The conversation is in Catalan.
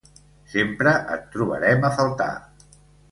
Sempre et trobarem a faltar.